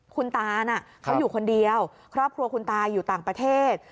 คุณตาน่ะเขาอยู่คนเดียวครอบครัวคุณตาอยู่ต่างประเทศ